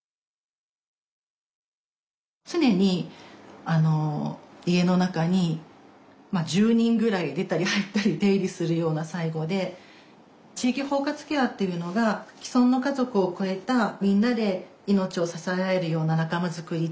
常に家の中に１０人ぐらい出たり入ったり出入りするような最期で地域包括ケアっていうのが既存の家族を超えたみんなで命を支え合えるような仲間づくり